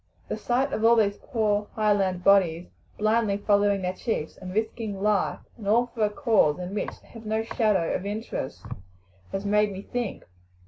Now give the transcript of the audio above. The sight of all these poor Highland bodies blindly following their chiefs and risking life and all for a cause in which they have no shadow of interest has made me think.